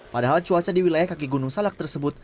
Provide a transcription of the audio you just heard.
padahal cuaca di wilayah kaki gunung salak tersebut